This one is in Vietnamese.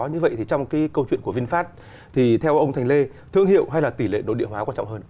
như vậy thì trong cái câu chuyện của vinfast thì theo ông thành lê thương hiệu hay là tỷ lệ nội địa hóa quan trọng hơn